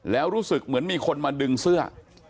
แล้วรู้สึกเหมือนมีคนมาดึงเสื้อ